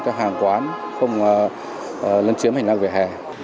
các hàng quán không lên chiếm hành năng về hè